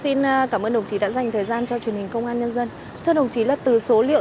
xin cảm ơn đồng chí đã dành thời gian cho truyền hình công an nhân dân thưa đồng chí là từ số liệu